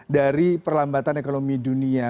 dari perlambatan ekonomi dunia